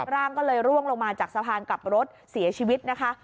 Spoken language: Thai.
ร่างก็เลยร่วงลงมาจากสะพานกลับรถเสียชีวิตนะคะ